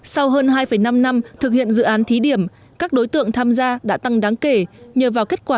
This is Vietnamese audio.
sau hơn hai năm năm thực hiện dự án thí điểm các đối tượng tham gia đã tăng đáng kể nhờ vào kết quả